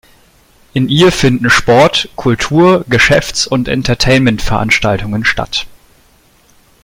In ihr finden Sport-, Kultur-, Geschäfts- und Entertainment-Veranstaltungen statt.